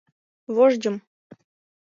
вождьым.